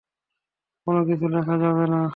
কোনো কিছু লেখা যাবে না।